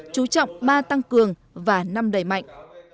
chú trọng ba tăng cường và năm đẩy mạnh